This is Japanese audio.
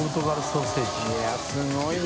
いすごいな。